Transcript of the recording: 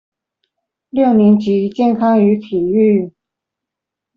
六年級健康與體育